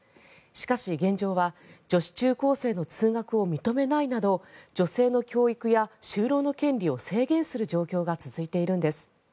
しかし、現状は女子中高生の通学を認めないなど女性の教育や就労の権利を制限する状況が続いているんです。